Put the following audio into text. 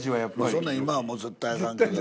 そんなん今はもう絶対あかんけど。